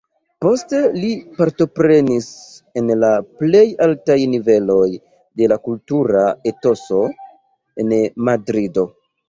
Poste li partoprenis en la plej altaj niveloj de la kultura etoso en Madrido.